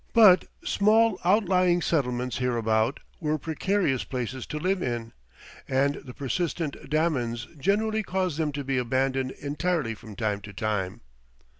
But small outlying settlements hereabout were precarious places to live in, and the persistent damans generally caused them to be abandoned entirely from time to time.